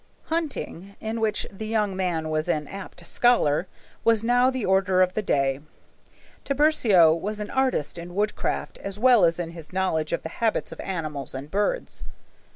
Hunting, in which the young man was an apt scholar, was now the order of the day. Tiburcio was an artist in woodcraft as well as in his knowledge of the habits of animals and birds.